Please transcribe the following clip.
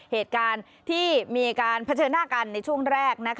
เหตุการณ์ที่มีการเผชิญหน้ากันในช่วงแรก